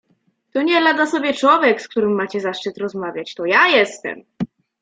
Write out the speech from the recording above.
"To nielada sobie człowiek, z którym macie zaszczyt rozmawiać, to ja jestem!"